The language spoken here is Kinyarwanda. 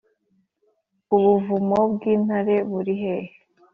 Ubuvumo bw’intare buri hehe